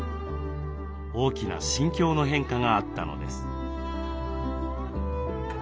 大きな心境の変化があったのです。